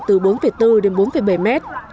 từ bốn bốn đến bốn bảy m